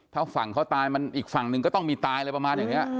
ถ้าฝั่งเขาตายมันอีกฝั่งหนึ่งก็ต้องมีตายอะไรประมาณอย่างนี้